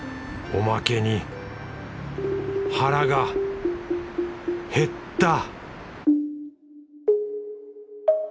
おまけに腹が減った